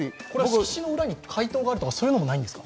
色紙の裏に回答があるとかそういうのもない？